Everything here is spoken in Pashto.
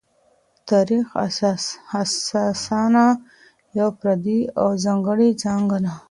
تاریخ اساساً یوه فردي او ځانګړې څانګه ده.